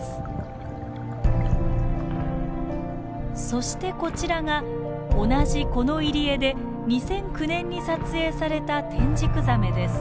そしてこちらが同じこの入り江で２００９年に撮影されたテンジクザメです。